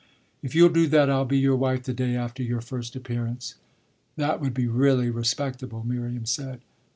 "If you'll do that I'll be your wife the day after your first appearance. That would be really respectable," Miriam said.